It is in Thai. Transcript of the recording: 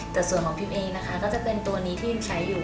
แต่ส่วนของพิมเองนะคะก็จะเป็นตัวนี้ที่พิมใช้อยู่